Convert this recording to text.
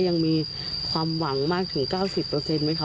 ยังมีความหวังมากถึง๙๐ไหมคะ